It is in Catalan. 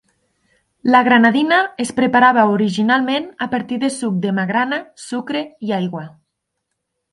La granadina es preparava originalment a partir de suc de magrana, sucre i aigua.